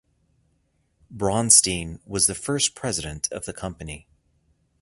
Bronstein was the first president of the company.